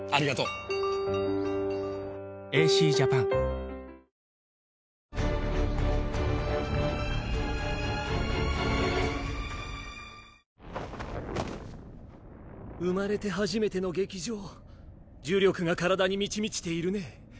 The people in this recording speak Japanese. ニトリ生まれて初めての激情呪力が体に満ち満ちているね。